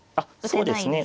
そうですね。